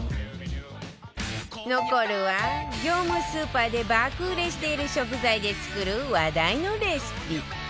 残るは業務スーパーで爆売れしている食材で作る話題のレシピ